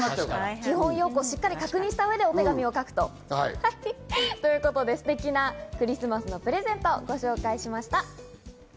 基本要項をしっかり確認した上で、お手紙を書くということでステキなクリスマスのプレゼント、ご紹介しました。